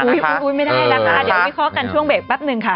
ลืมวิเคราะห์ไม่ได้นะคะอ่าเดี๋ยวพี่เค้ากันช่วงเบรกปั๊บนึงค่ะ